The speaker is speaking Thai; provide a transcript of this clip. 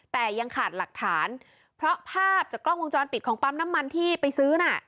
แต่ยังขาดหลักฐานเพราะภาพจากกล้องวงจรปิดของปั๊มน้ำมันที่ไปซื้อน่ะ